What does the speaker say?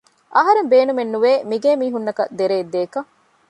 އަހަރެން ބޭނުމެއް ނުވޭ މި ގޭ މީހުންނަކަށް ދެރައެއް ދޭކަށް